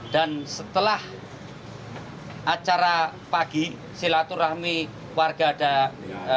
dan setelah acara pagi silaturahmi warga dalam rangka menerima aspirasi dan pengaduan